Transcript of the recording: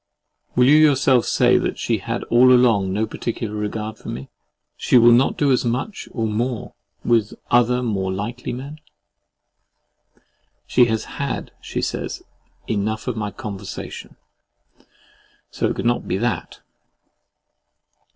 Will you yourself say that if she had all along no particular regard for me, she will not do as much or more with other more likely men? "She has had," she says, "enough of my conversation," so it could not be that!